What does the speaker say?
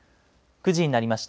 ９時になりました。